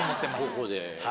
ここで？